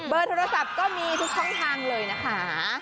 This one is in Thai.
โทรศัพท์ก็มีทุกช่องทางเลยนะคะ